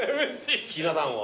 ひな壇を。